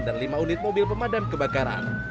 dan lima unit mobil pemadam kebakaran